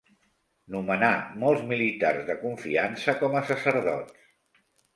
Nomenà molts militars de confiança com a sacerdots.